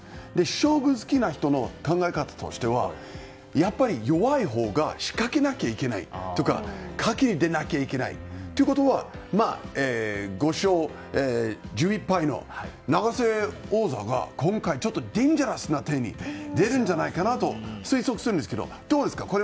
勝負好きな人の考え方としてはやっぱり、弱いほうが仕掛けなきゃいけないとか賭けに出なきゃいけないということは５勝１１敗の永瀬王座が今回ちょっとデンジャラスな手に出るんじゃないかなと推測するんですけどどうですか？